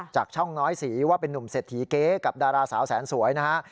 จากช่องน้อยสีว่าเป็นนุ่มเศรษฐีเก๊กับดาราสาวแสนสวยนะฮะ